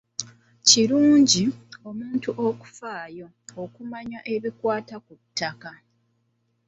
Kirungi omuntu okufaayo okumanya ku bikwata ku ttaka.